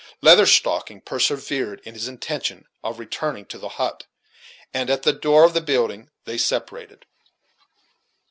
Leather Stocking persevered in his intention of returning to the hut, and at the door of the building they separated.